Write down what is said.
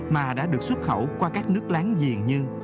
mà đã được xuất khẩu qua các nước láng giềng như